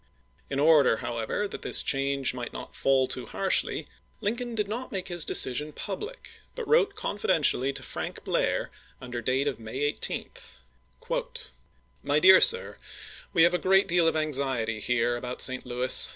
In order, how ever, that this change might not fall too harshly, Lincoln did not make his decision public, but wrote confidentially to Frank Blah*, under date of May 18 : isei. My Dear Sir : We have a good deal of anxiety here about St. Louis.